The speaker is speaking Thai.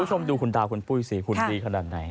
คุณผู้ชมดูคุณดาวคุณปุ้ยสิคุณดีขนาดไหน